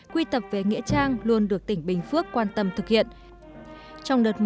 quy tập về nghĩa trang luôn được tỉnh bình phước quan tâm thực hiện